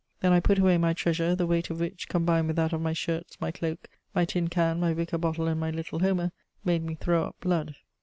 Then I put away my treasure, the weight of which, combined with that of my shirts, my cloak, my tin can, my wicker bottle, and my little Homer, made me throw up blood.